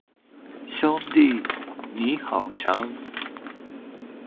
兄弟，你好香